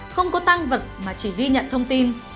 không có tăng vật mà chỉ ghi nhận thông tin